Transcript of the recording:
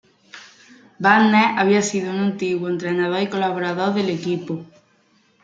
Barnes había sido un antiguo entrenador y colaborador del equipo.